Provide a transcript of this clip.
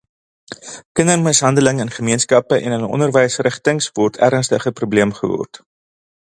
Kindermishandeling in gemeenskappe en in onderwysinrigtings het 'n ernstige probleem geword.